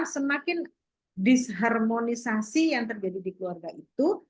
semakin disharmonisasi yang terjadi di keluarga itu